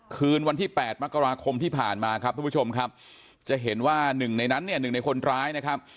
คืนวันที่๘มกราคมที่ผ่านมาครับทุกผู้ชมครับจะเห็นว่าหนึ่งในนั้นเนี่ยหนึ่งในคนร้ายนะครับ